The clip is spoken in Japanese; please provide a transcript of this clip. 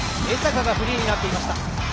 江坂がフリーになっていました。